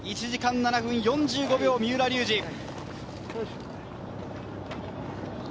１時間７分４５秒、三浦龍司。